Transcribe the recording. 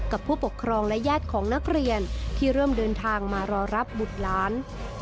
กับผู้ปกครองและญาติของนักเรียนที่เริ่มเดินทางมารอรับบุตรหลาน